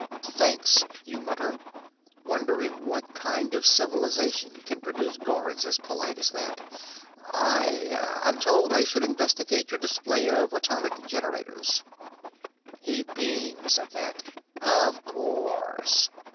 "Thanks," you mutter, wondering what kind of civilization can produce guards as polite as that. "I I'm told I should investigate your display of atomic generators." He beams at that. "Of course."